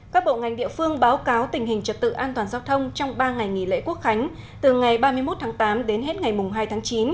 các bộ ngành địa phương báo cáo tình hình trật tự an toàn giao thông trong ba ngày nghỉ lễ quốc khánh từ ngày ba mươi một tháng tám đến hết ngày hai tháng chín